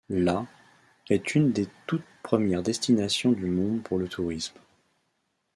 La ' est une des toutes premières destinations du monde pour le tourisme.